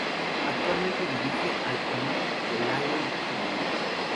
Actualmente dirige al Olympique de Lyon femenino.